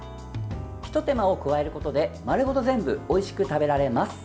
ひと手間を加えることで丸ごと全部おいしく食べられます。